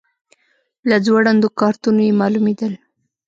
له ځوړندو کارتونو یې معلومېدل.